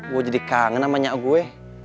gue jadi kangen sama nyak gue